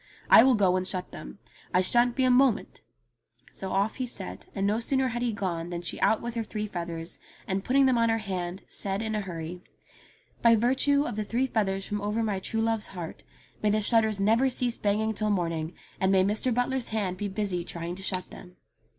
I will go and shut them. I shan't be a moment !'* So off he set, and no sooner had he gone than she out with her three feathers, and putting them on her hand, said in a hurry :" By virtue of the three feathers from over my true love's heart may the shutters never cease banging till morning, and may Mr. Butler's hands be busy trying to shut them."